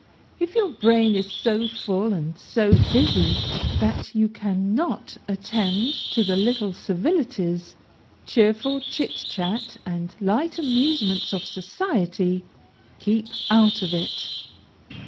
If your brain is so full and so busy that you cannot attend to the little civilities, cheerful chit chat, and light amusements of society, keep out of it.